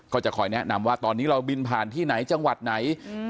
ก็จะคอยแนะนำว่าตอนนี้เราบินผ่านที่ไหนจังหวัดไหน